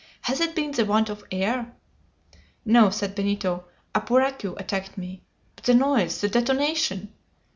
"Has it been the want of air?" "No!" said Benito; "a puraque attacked me! But the noise? the detonation?"